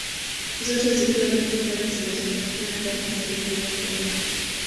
Zote zikiwa ni hifadhi zinazopatikana ndani ya taifa la Tanzania